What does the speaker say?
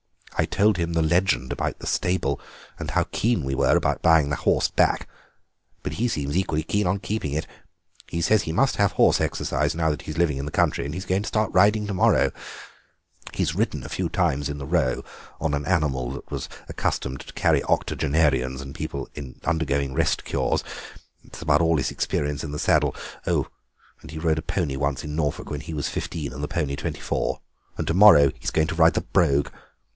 I told him the legend about the stable, and how keen we were about buying the horse back, but he seems equally keen on keeping it. He said he must have horse exercise now that he's living in the country, and he's going to start riding to morrow. He's ridden a few times in the Row, on an animal that was accustomed to carry octogenarians and people undergoing rest cures, and that's about all his experience in the saddle—oh, and he rode a pony once in Norfolk, when he was fifteen and the pony twenty four; and to morrow he's going to ride the Brogue!